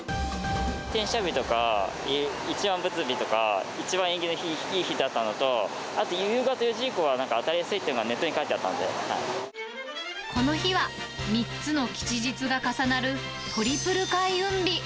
天赦日とか、一粒万倍日とか、一番縁起のいい日だったのと、あと夕方４時以降は、当たりやすいとか、ネットに書いてあったんこの日は３つの吉日が重なるトリプル開運日。